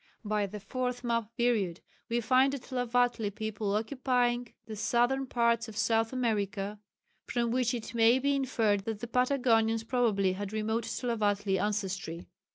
By the fourth map period we find a Tlavatli people occupying the southern parts of South America, from which it may be inferred that the Patagonians probably had remote Tlavatli ancestry.